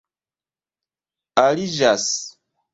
aliĝas